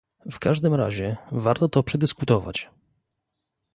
W każdym razie warto to przedyskutować